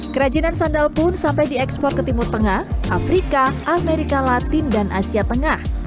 kerajinan sandal pun sampai diekspor ke timur perlenggaraan